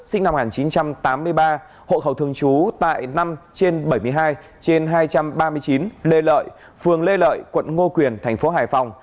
sinh năm một nghìn chín trăm tám mươi ba hộ khẩu thường trú tại năm trên bảy mươi hai trên hai trăm ba mươi chín lê lợi phường lê lợi quận ngô quyền thành phố hải phòng